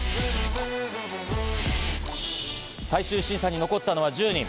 最終審査に残った１０人。